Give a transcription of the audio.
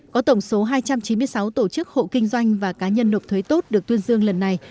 có tổng số hai trăm chín mươi sáu tổ chức hộ kinh doanh và cá nhân nộp thuế tốt được tuyên dương lần này